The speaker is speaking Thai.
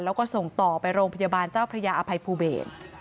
แล้วก็ส่งต่อไปโรงพยาบาลเจ้าพระยาอภัยภูเบศ